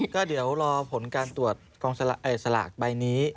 ก็เดี๋ยวรอผลการตรวจกองสลากใบนี้